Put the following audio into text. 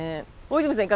大泉さん